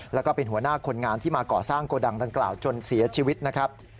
แล้วก็เป็นหัวหน้าคนงานที่มาก่อสร้างโกดังดังกล่าวจนเสียชีวิตนะครับ